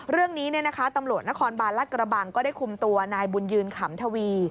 เรื่องนี้ตำรวจนครบาลรัฐกระบังก็ได้คุมตัวนายบุญยืนขำทวี